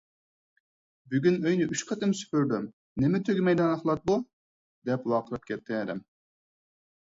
— بۈگۈن ئۆينى ئۈچ قېتىم سۈپۈردۈم، نېمە تۈگىمەيدىغان ئەخلەت بۇ؟ !— دەپ ۋارقىراپ كەتتى ھەدەم.